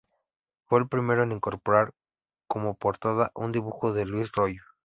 Fue el primero en incorporar como portada un dibujo de Luis Royo.